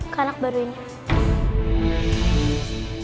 ke anak baru ini